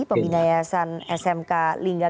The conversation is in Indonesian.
pembina yayasan smk lingga